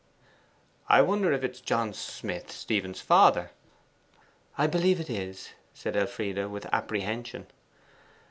'I wonder if it is John Smith, Stephen's father?' 'I believe it is,' said Elfride, with apprehension.